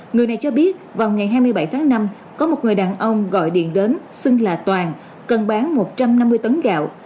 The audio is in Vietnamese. người này cho biết vào ngày hai mươi bảy tháng năm có một người đàn ông gọi điện đến xưng là toàn cần bán một trăm năm mươi tấn gạo